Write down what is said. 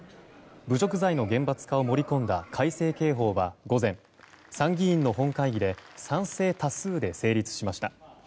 侮辱罪の厳罰化を盛り込んだ改正刑法は午前、参議院の本会議で賛成多数で成立しました。